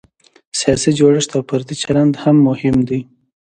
سیاسي جوړښت او فردي چلند هم مهم دی.